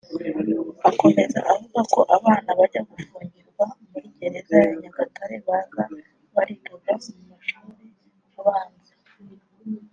Akomeza avuga ko abana bajya gufungirwa muri gereza ya Nyagatare baza barigaga mu mashuri abanza